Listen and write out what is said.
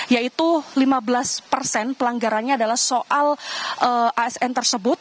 yaitu lima belas persen pelanggarannya adalah soal asn tersebut